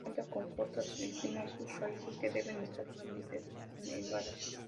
Cuenta con cortas y finas raíces que deben estar convenientemente anegadas.